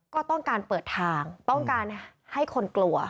ก็ต้องการเปิดทางต้องการให้คนกลัว